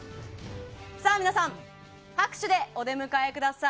皆さん、拍手でお出迎えください。